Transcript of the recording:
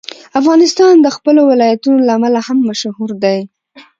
افغانستان د خپلو ولایتونو له امله هم مشهور دی.